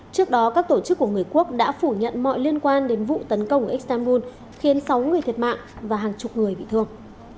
trước đó các tổ chức của người quốc đã phủ nhận mọi liên quan đến vụ tấn công ở istanbul khiến sáu người thiệt mạng và hàng chục người bị thương